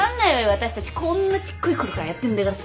私たちこんなちっこいころからやってんだからさ！